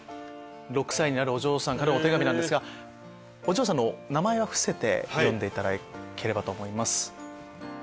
６歳になるお嬢さんからのお手紙なんですがお嬢さんの名前は伏せて読んでいただければと思います。